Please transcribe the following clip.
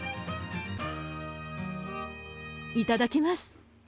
いただきます。